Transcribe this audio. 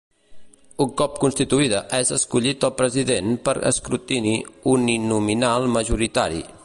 Un cop constituïda és escollit el president per escrutini uninominal majoritari.